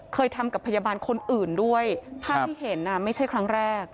เคยทำกับพยาบาลคนอื่นด้วยภาพที่เห็นไม่ใช่ครั้งแรก